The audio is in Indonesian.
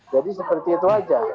jadi seperti itu saja